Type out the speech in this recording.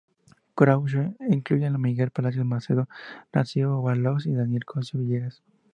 Krauze incluye a Miguel Palacios Macedo, Narciso Bassols, y Daniel Cosío Villegas.